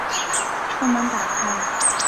车门打开了